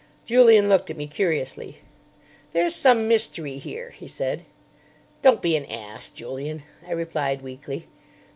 Julian looked at me curiously. "There's some mystery here," he said. "Don't be an ass, Julian," I replied weakly.